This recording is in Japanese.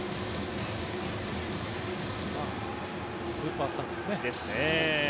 スーパースターですね。